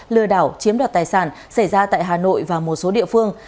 lừa đảo chiếm đoạt tài sản xảy ra tại hà nội và một số địa phương